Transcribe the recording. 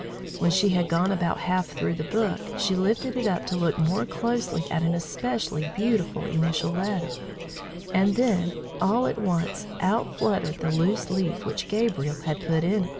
When she had gone about half through the book, she lifted it up to look more closely at an especially beautiful initial letter, and then, all at once, out fluttered the loose leaf which Gabriel had put in.